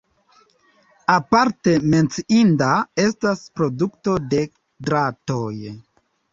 Aparte menciinda estas produkto de dratoj.